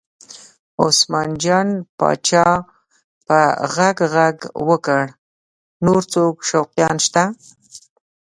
عثمان جان پاچا په غږ غږ وکړ نور څوک شوقیان شته؟